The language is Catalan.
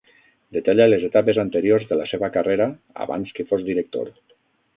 Detalla les etapes anteriors de la seva carrera, abans que fos director.